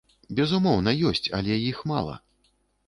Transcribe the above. Безумоўна, ёсць, але іх мала.